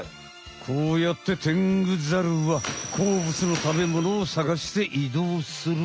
こうやってテングザルはこうぶつの食べものをさがしていどうする。